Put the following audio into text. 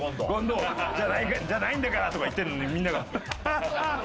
「じゃないんだから！」とか言ってるのにみんなが「ハハハ！」